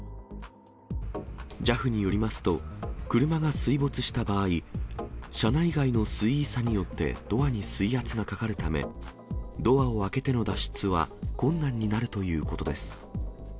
ＪＡＦによりますと、車が水没した場合、車内外の水位差によってドアに水圧がかかるため、ドアを開けての脱出は困難になるということです。